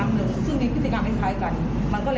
เราก็เห็นภาพทุกคนประมาณย้ายพันธุ์และย้อนกลับไปอีกว่า